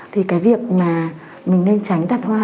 thì cái việc mà mình nên tránh đặt hoa